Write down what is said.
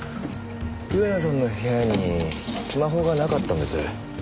上野さんの部屋にスマホがなかったんです。